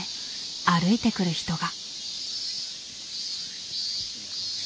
歩いてくる人が。